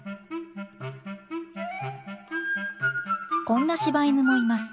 こんな柴犬もいます。